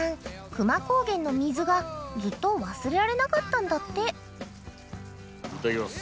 久万高原の水がずっと忘れられなかったんだっていただきます。